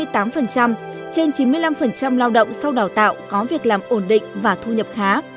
trên chín mươi năm lao động sau đào tạo có việc làm ổn định và thu nhập khá